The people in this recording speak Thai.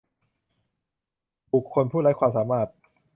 บุคคลผู้ไร้ความสามารถ